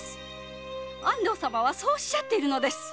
安藤様はそうおっしゃっているのです。